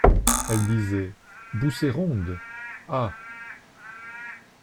Elle disait :« Bousséronde ! ah !